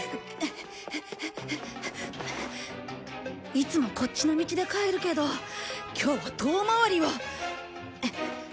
いつもこっちの道で帰るけど今日は遠回りを。